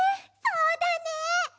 そうだね。